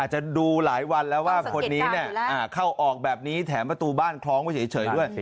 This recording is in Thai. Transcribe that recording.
จะดูหลายวันแล้วว่าคนนี้เข้าออกแบบนี้แถมประตูบ้านคล้องไว้เฉยด้วย